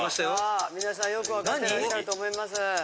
皆さんよく分かってらっしゃると思います。